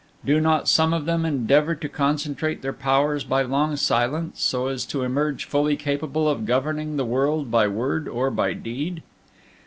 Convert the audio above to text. Do not some of them endeavor to concentrate their powers by long silence, so as to emerge fully capable of governing the world by word or by deed?